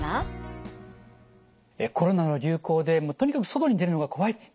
コロナの流行で「もうとにかく外に出るのが怖い。